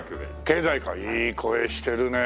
経済かいい声してるね。